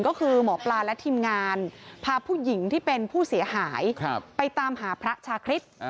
ก็คือหมอปลาและทีมงานพาผู้หญิงที่เป็นผู้เสียหายไปตามหาพระชาคริสต์